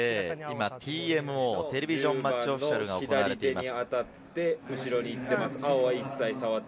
ＴＭＯ＝テレビジョン・マッチ・オフィシャルが行われています。